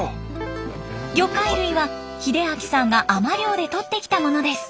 魚介類は秀明さんが海人漁でとってきたものです。